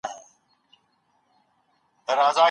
هغوی د ورځې په توده هوا کې په پټیو کې کار نه کوي.